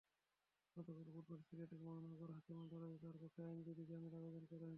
গতকাল বুধবার সিলেটের মহানগর হাকিম আদালতে তাঁর পক্ষে আইনজীবী জামিন আবেদন করেন।